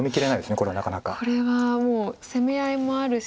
これはもう攻め合いもあるし